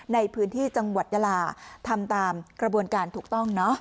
ในพื้นที่จังหวัดยาลาทำตามกระบวนการถูกต้องเนอะ